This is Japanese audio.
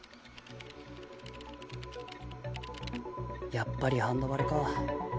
やっぱりハンダ割れか。